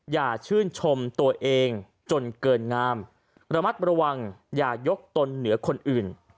อย่าชื่นชมตัวเองจนเกินงามระมัดระวังอย่ายกตนเหนือคนอื่น